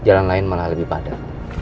jalan lain malah lebih padat